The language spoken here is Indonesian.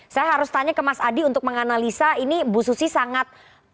saya harus tanya ke mas adi untuk menganalisa ini bu susi sangat